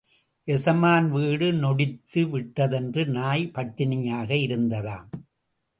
எசமான் வீடு நொடித்து விட்டதென்று நாய் பட்டினியாக இருந்ததாம்.